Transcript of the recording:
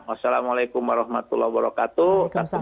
wassalamualaikum warahmatullahi wabarakatuh